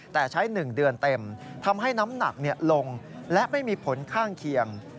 แต่ใช้๑เดือนเต็มทำให้น้ำหนักลงและไม่มีผลข้างเคียง